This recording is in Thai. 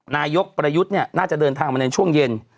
นายกประยุทธ์เนี่ยน่าจะเดินทางมาในช่วงเย็น